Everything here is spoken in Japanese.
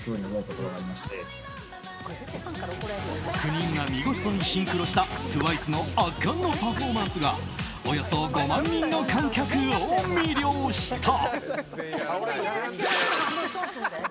９人が見事にシンクロしたＴＷＩＣＥの圧巻のパフォーマンスがおよそ５万人の観客を魅了した。